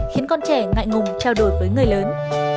khiến con trẻ ngại ngùng trao đổi với người lớn